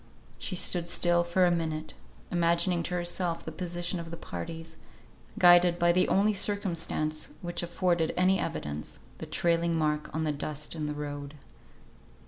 She stood still for a minute, imagining to herself the position of the parties, guided by the only circumstance which afforded any evidence, the trailing mark on the dust in the road.